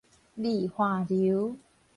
離岸流